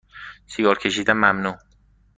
سیگار کشیدن ممنوع